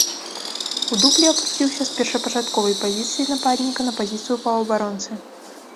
У дублі апусціўся з першапачатковай пазіцыі нападніка на пазіцыю паўабаронцы.